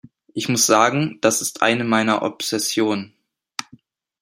Ich muss sagen, dass ist eine meiner Obsessionen.